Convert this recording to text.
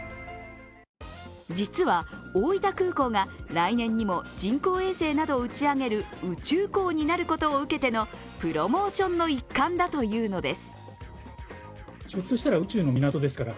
実は大分空港が来年にも人工衛星などを打ち上げる宇宙港になることを受けてのプロモーションの一環だというのです。